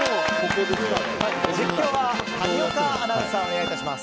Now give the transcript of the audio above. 実況は谷岡アナウンサーお願いします。